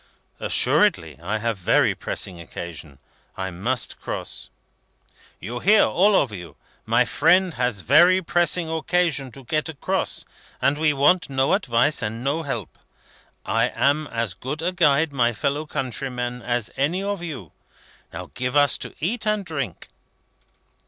"Assuredly, I have very pressing occasion. I must cross." "You hear, all of you. My friend has very pressing occasion to get across, and we want no advice and no help. I am as good a guide, my fellow countrymen, as any of you. Now, give us to eat and drink."